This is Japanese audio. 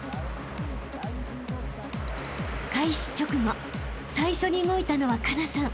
［開始直後最初に動いたのは佳那さん］